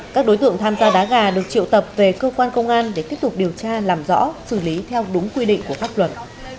các đối tượng tham gia đá gà được triệu tập về cơ quan công an để tiếp tục điều tra làm rõ xử lý theo đúng quy định của pháp luật